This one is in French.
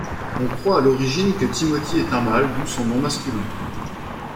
On croit à l'origine que Timothy est un mâle, d'où son nom masculin.